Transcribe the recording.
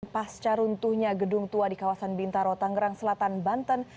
pasca runtuhnya gedung tua di kawasan bintaro tangerang selatan banten